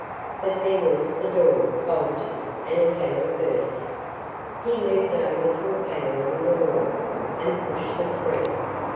But there was the door, bulging, and a panel bursting. He moved over to a panel in the wall and pushed a spring.